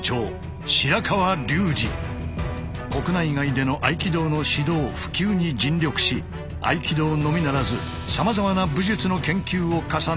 国内外での合気道の指導普及に尽力し合気道のみならずさまざまな武術の研究を重ねる達人。